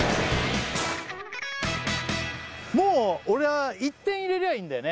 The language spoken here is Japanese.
もう俺は１点入れりゃあいいんだよね